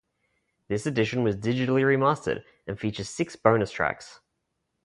This edition was digitally remastered, and features six bonus tracks.